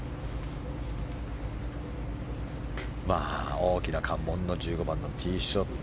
大きな関門の１５番のティーショット。